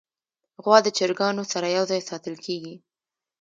غوا د چرګانو سره یو ځای ساتل کېږي.